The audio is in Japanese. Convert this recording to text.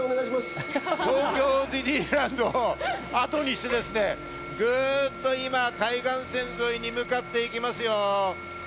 東京ディズニーランドをあとにして、ぐっと今、海岸線沿いに向かっていきますよ。